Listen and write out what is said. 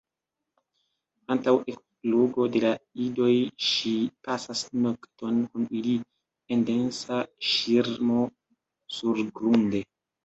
Antaŭ ekflugo de la idoj ŝi pasas nokton kun ili en densa ŝirmo surgrunde.